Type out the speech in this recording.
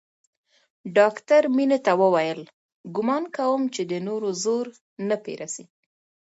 ډاکتر مينې ته وويل ګومان کوم چې د نورو زور نه پې رسي.